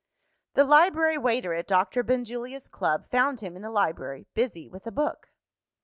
The library waiter at Doctor Benjulia's Club found him in the library, busy with a book.